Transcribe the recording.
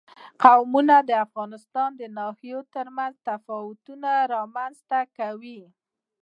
قومونه د افغانستان د ناحیو ترمنځ تفاوتونه رامنځ ته کوي.